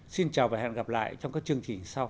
xin chào và hẹn gặp lại trong các chương trình sau